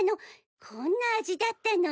こんな味だったの。